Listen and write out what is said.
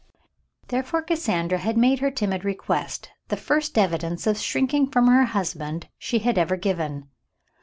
Therefore Cassandra had made her timid request — the first evidence of shrinking from her husband she had ever given.